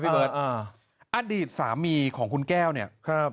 พี่เบิ๊ดอดีตสามีของคุณแก้วเนี่ย